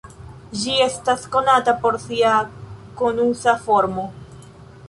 Ĝi estas konata por sia konusa formo.